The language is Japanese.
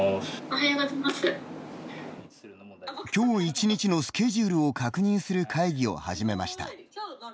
今日一日のスケジュールを確認する会議を始めました。